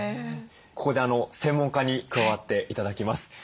ここで専門家に加わって頂きます。